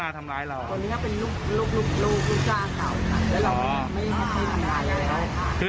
ให้เขาออกไปแล้วก็คือให้เขาทำงานจากอีกคนนึง